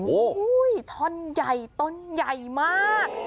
โอ้โหท่อนใหญ่ต้นใหญ่มาก